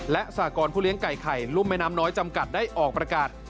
และสากรผู้เลี้ยงไก่ไข่รุ่มแม่น้ำน้อยจำกัดได้ออกประกาศ